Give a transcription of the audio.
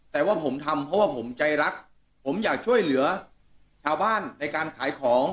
แต่ว่าผมทำเพราะว่าผมใจรักผมอยากช่วยเหลือชาวบ้านในการขายของ